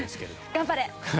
頑張れ！